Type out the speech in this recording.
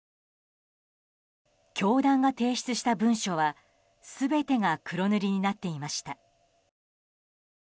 教団が提出した文書は全てが黒塗りになっていました。